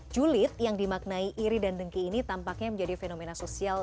julid yang dimaknai iri dan dengki ini tampaknya menjadi fenomena sosial